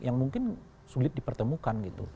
yang mungkin sulit dipertemukan